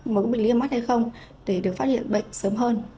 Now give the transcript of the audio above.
một bệnh lý mắt hay không để được phát hiện bệnh sớm hơn